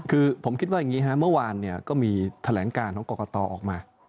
คือผมคิดว่าอย่างนี้ฮะเมื่อวานเนี่ยก็มีแถลงการของกรกตออกมา